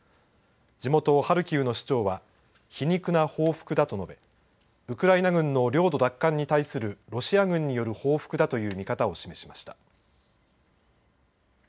地元ハルキウの市長は皮肉な報復だと述べウクライナ軍の領土奪還に対するロシア軍による報復だという見方を示しました。